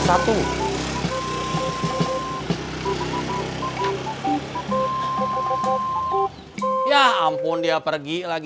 setetau kamu ngumpet dang